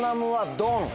ドン！